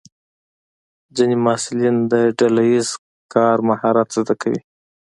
ځینې محصلین د ډله ییز کار مهارت زده کوي.